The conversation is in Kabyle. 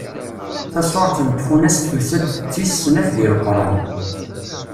Tasuret n Tfunast tusa-d d tis snat deg Leqran.